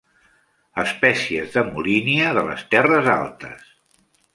Espècies de "molínia" de les terres altes